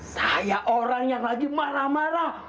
saya orang yang lagi marah marah